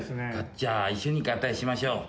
じゃあ一緒に合体しましょう！